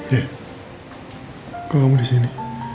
dih kok kamu disini